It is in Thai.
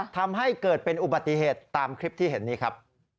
ทำให้เกิดเป็นอุบัติเหตุตามคลิปที่เห็นนี้ครับ